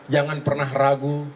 jangan pernah ragu